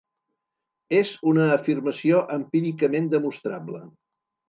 És una afirmació empíricament demostrable.